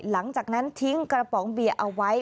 หลังจากนั้นทิ้งกระป๋องเบียร์เอาไว้